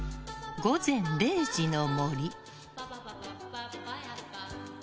「午前０時の森」。